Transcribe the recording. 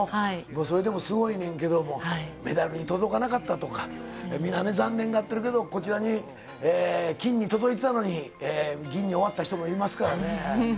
それでもすごいねんけど、メダルに届かなかったとか、みんなね、残念がってるけど、こちらに、金に届いてたのに、銀に終わった人もいますからね。